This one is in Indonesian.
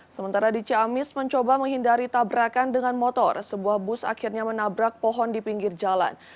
sementara di ciamis mencoba menghindari tabrakan dengan motor sebuah bus akhirnya menabrak pohon di pinggir jalan